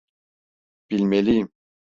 Bilmeliyim.